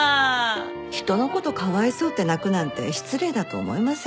人のことかわいそうって泣くなんて失礼だと思いません？